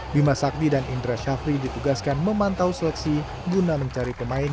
bima sakti dan indra syafri ditugaskan memantau seleksi guna mencari pemain